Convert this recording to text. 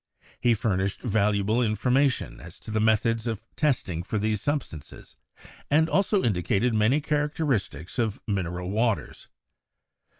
He furnished valuable information as to the methods of test ing for these substances, and also indicated many charac teristics of mineral waters.